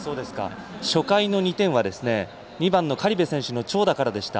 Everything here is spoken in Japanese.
初回の２点は２番の苅部選手の長打からでした。